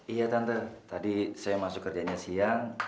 iya tante tadi saya masuk kerjanya siang